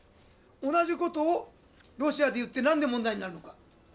同じことをロシアで言って、なんで問題になるのか。